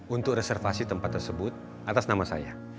untuk reservasi tempat tersebut atas nama saya